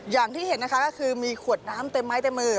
อย่างที่เห็นนะคะก็คือมีขวดน้ำเต็มไม้เต็มมือ